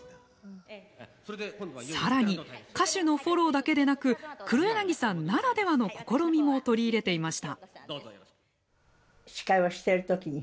さらに歌手のフォローだけでなく黒柳さんならではの試みも取り入れていました。